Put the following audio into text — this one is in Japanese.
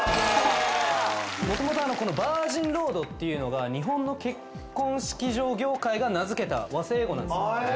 元々バージンロードっていうのが日本の結婚式場業界が名付けた和製英語なんですよ。